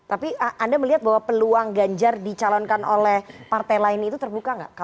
tapi anda melihat bahwa peluang ganjar dicalonkan oleh partai lain itu terbuka nggak